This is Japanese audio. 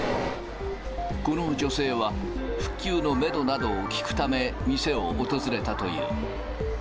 この女性は、復旧のメドなどを聞くため、店を訪れたという。